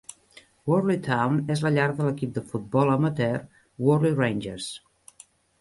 Warley Town és la llar de l'equip de futbol amateur Warley Rangers.